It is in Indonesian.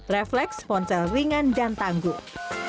refleks ponsel ringan dan tangguh